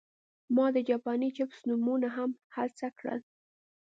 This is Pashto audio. ما د جاپاني چپس نومونه هم هڅه کړل